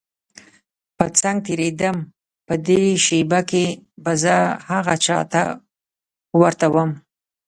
په څنګ تېرېدم په دې شېبه کې به زه هغه چا ته ورته وم.